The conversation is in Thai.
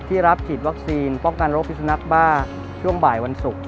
รับฉีดวัคซีนป้องกันโรคพิสุนักบ้าช่วงบ่ายวันศุกร์